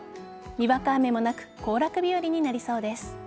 にわか雨もなく行楽日和になりそうです。